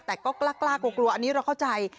แต่ก็กล้ากลัวอันนี้เราเข้าใจ